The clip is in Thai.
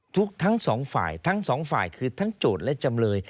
ทั้งสองฝ่ายทั้งสองฝ่ายคือทั้งโจทย์และจำเลย